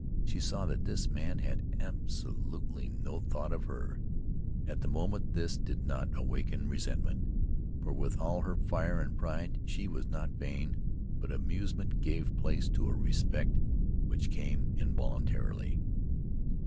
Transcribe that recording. She saw that this man had absolutely no thought of her. At the moment this did not awaken resentment, for with all her fire and pride she was not vain; but amusement gave place to a respect which came involuntarily.